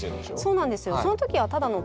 そうなんですよ。